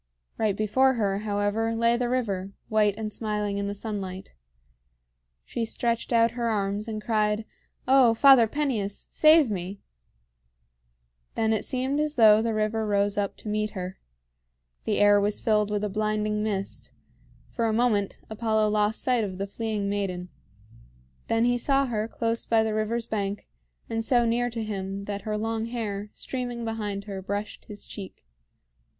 Right before her, however, lay the river, white and smiling in the sunlight. She stretched out her arms and cried: "O Father Peneus, save me!" [Illustration: "SHE TURNED AND FLED LIKE A FRIGHTENED DEER."] Then it seemed as though the river rose up to meet her. The air was filled with a blinding mist. For a moment Apollo lost sight of the fleeing maiden. Then he saw her close by the river's bank, and so near to him that her long hair, streaming behind her, brushed his cheek.